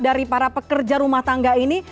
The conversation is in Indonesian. dari para pekerja rumah tangga ini